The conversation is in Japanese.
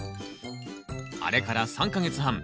あれから３か月半。